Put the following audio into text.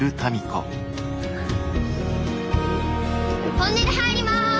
トンネル入ります。